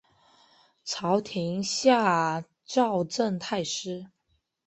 朝廷下诏赠太师。